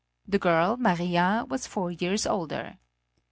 The girl, Maria, was four years older.